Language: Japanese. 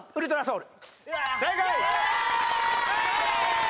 正解！